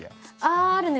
ああるね。